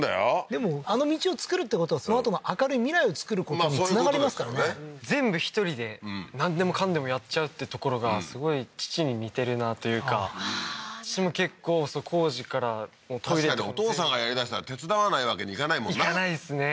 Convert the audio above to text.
でもあの道を造るってことはそのあとの明るい未来を作ることにつながりますからね全部１人でなんでもかんでもやっちゃうってところがすごい父に似てるなというか父も結構工事から確かにお父さんがやりだしたら手伝わないわけにいかないもんないかないですね